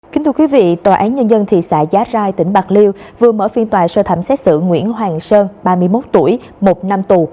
kính thưa quý vị tòa án nhân dân thị xã giá rai tỉnh bạc liêu vừa mở phiên tòa sơ thẩm xét xử nguyễn hoàng sơn ba mươi một tuổi một năm tù